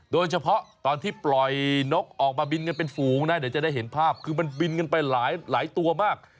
โดยเฉพาะตอนที่ปล่อยนกออกมาบินกันเป็นฝูงนะเดี๋ยวจะได้เห็นภาพคือมันบินกันไปหลายตัวมาก